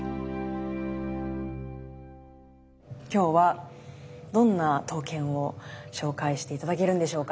今日はどんな刀剣を紹介して頂けるんでしょうか。